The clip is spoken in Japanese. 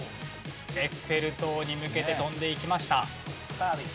エッフェル塔に向けて飛んでいきました。